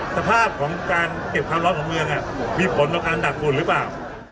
สภาพของการเก็บความร้อนของเมืองมีผลต่อการดักฝุ่นหรือเปล่า